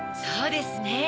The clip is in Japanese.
そうですね。